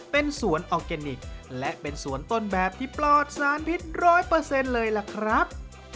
เป็นสวนออร์แกนิคและเป็นสวนต้นแบบที่ปลอดสารพิษร้อยเปอร์เซ็นต์เลยล่ะครับ